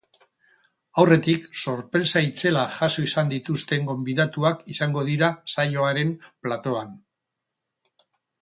Aurretik, sorpresa itzelak jaso izan dituzten gonbidatuak izango dira saioaren platoan.